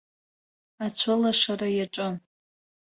Ацәылашара иаҿын.